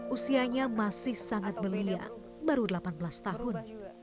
usianya masih sangat belia baru delapan belas tahun